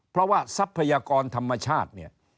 เพราะว่าทรัพยากรธรรมชาติ